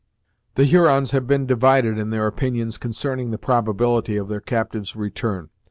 The Hurons had been divided in their opinions concerning the probability of their captive's return.